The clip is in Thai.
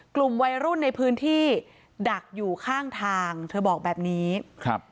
กลุ่มวัยรุ่นในพื้นที่ดักอยู่ข้างทางเธอบอกแบบนี้ครับ